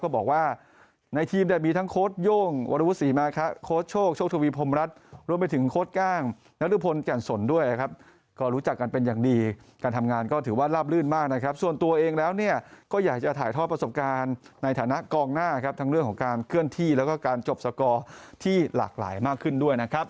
ก็บอกว่าในทีมจะมีทั้งโคสต์โยงวรวศิมาด